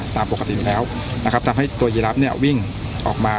ตามปกติอยู่แล้วนะครับทำให้ตัวยีรับเนี่ยวิ่งออกมา